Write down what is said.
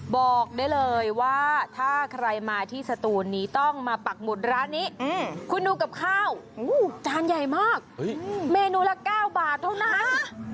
บอกได้เลยว่าถ้าใครมาที่สตูนนี้ต้องมาปักหมุดร้านนี้คุณดูกับข้าวจานใหญ่มากเมนูละ๙บาทเท่านั้น